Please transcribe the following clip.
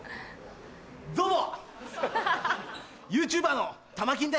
どうも！